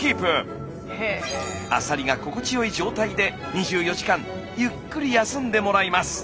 アサリが心地よい状態で２４時間ゆっくり休んでもらいます。